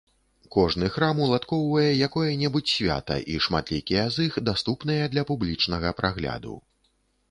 Кожны храм уладкоўвае якое-небудзь свята, і шматлікія з іх даступныя для публічнага прагляду.